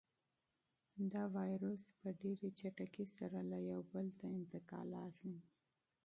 دا وېروس په ډېرې چټکۍ سره له یو بل ته انتقالېږي.